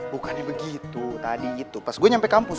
bukannya begitu tadi itu pas gue nyampe kampus